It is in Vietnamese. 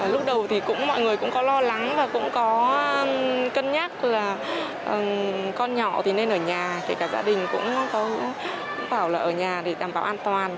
lúc đầu thì cũng mọi người cũng có lo lắng và cũng có cân nhắc là con nhỏ thì nên ở nhà kể cả gia đình cũng có bảo là ở nhà để đảm bảo an toàn